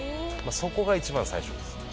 そこが一番最初です。